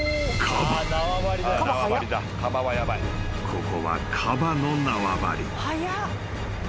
［ここはカバの縄張り］